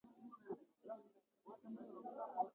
د ترلاسه کولو لپاره یې کوم ګامونه پورته کړم؟